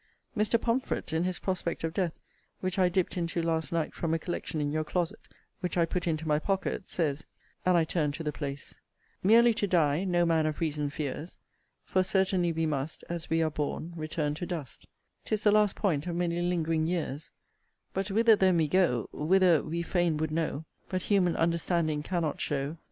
Mr. Pomfret, in his Prospect of Death, which I dipped into last night from a collection in your closet, which I put into my pocket, says, [and I turned to the place] Merely to die, no man of reason fears; For certainly we must, As we are born, return to dust; 'Tis the last point of many ling ring years; But whither then we go, Whither, we fain would know; But human understanding cannot show.